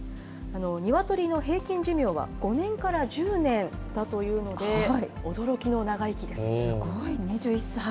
ニワトリの平均寿命は５年から１０年だというので、驚きの長生きすごい、２１歳。